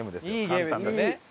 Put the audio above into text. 簡単だし。